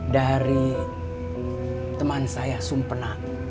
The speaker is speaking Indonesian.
dari teman saya sumpena